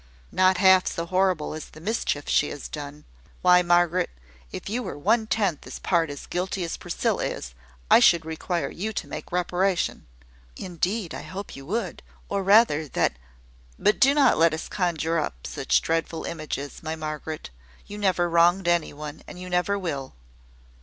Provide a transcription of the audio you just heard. "Not half so horrible as the mischief she has done. Why, Margaret, if you were one tenth part as guilty as Priscilla is, I should require you to make reparation." "Indeed, I hope you would: or rather, that " "But do not let us conjure up such dreadful images, my Margaret. You never wronged any one, and you never will."